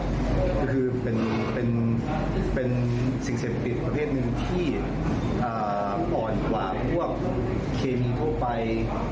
ก็คือเป็นสิ่งเสพติดประเภทหนึ่งที่อ่อนกว่าพวกครีมทั่วไป